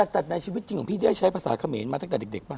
แต่ในชีวิตจริงของพี่ได้ใช้ภาษาเขมรมาตั้งแต่เด็กป่